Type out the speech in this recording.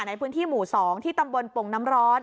ในพื้นที่หมู่๒ที่ตำบลปงน้ำร้อน